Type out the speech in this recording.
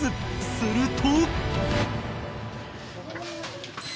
すると。